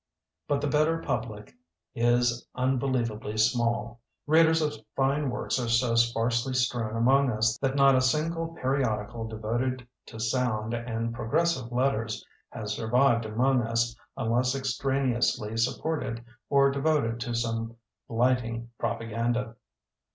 But the better public is unbeliev ably small. Readers of fine works are so sparsely strewn among us that not a single periodical devoted to sound and progressive letters has survived among us unless extraneously support ed or devoted to some blighting propa ganda.